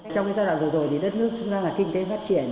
trong giai đoạn vừa rồi đất nước chúng ta là kinh tế phát triển